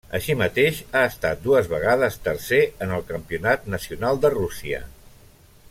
Així mateix ha estat dues vegades tercer en el campionat nacional de Rússia.